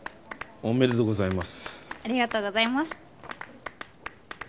おめでとうございます。